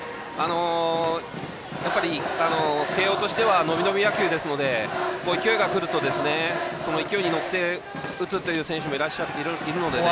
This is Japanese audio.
やっぱり慶応としては伸び伸び野球ですので勢いがくるとその勢いに乗って打つという選手もいるのでね。